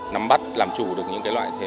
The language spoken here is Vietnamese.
nắm bắt làm chủ được những loại